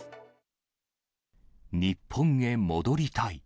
日本へ戻りたい。